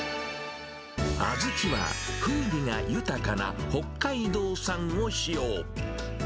小豆は風味が豊かな北海道産を使用。